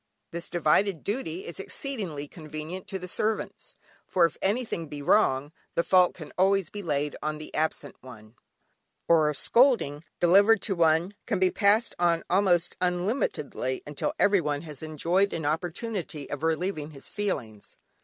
This divided duty is exceedingly convenient to the servants, for if anything be wrong the fault can always be laid on the absent one, or a scolding delivered to one can be passed on almost unlimitedly until everyone has enjoyed an opportunity of relieving his feelings.